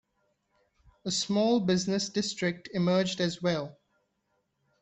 A small business district emerged as well.